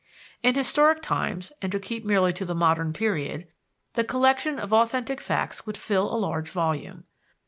In historic times and to keep merely to the modern period the collection of authentic facts would fill a large volume.